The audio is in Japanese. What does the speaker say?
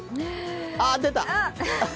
あっ、出た！